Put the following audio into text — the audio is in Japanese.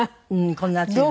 こんな厚いのね。